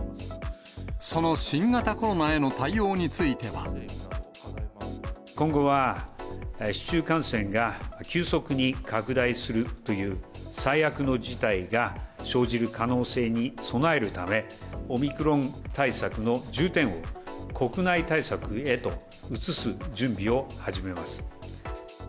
その新型コロナへの対応につ今後は、市中感染が急速に拡大するという最悪の事態が生じる可能性に備えるため、オミクロン対策の重点を、国内対策へと移す準備を始めます。